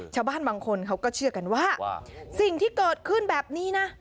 ชาวบ้านบางคนเขาก็เชื่อกันว่าสิ่งที่เกิดขึ้นแบบนี้นะ